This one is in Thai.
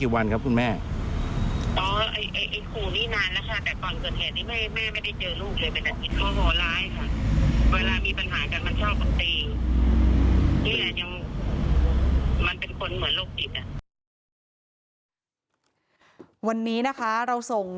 วันนี้นะคะเราส่ง